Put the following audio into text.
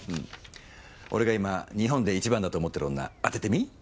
俺が今日本で１番だと思ってる女当ててみ。